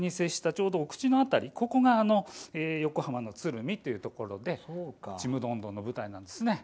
ちょうどお口の辺りがここが横浜の鶴見というところで「ちむどんどん」の舞台です。